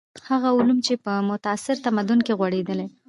هغه علوم چې په معاصر تمدن کې غوړېدلي.